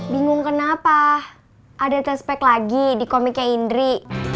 bingung kenapa ada t spec lagi di komiknya indri